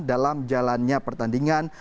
dalam jalannya pertandingan